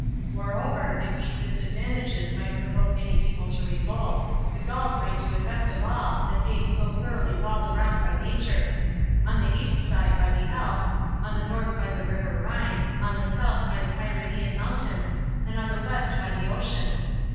Moreover, great advantages might provoke any people to revolt, the Gauls might do it best of all, as being so thoroughly walled round by nature; on the east side by the Alps, on the north by the river Rhine, on the south by the Pyrenean mountains, and on the west by the ocean.